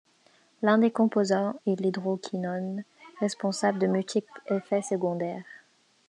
L'un des composants est l'hydroquinone, responsable de multiples effets secondaires.